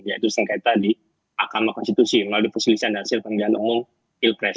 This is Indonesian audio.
yaitu sengketa di mahkamah konstitusi melalui perselisihan hasil pemilihan umum pilpres